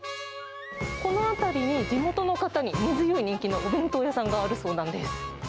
この辺りに地元の方に根強い人気のお弁当屋さんがあるそうなんです。